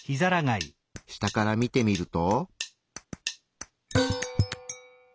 下から見てみると。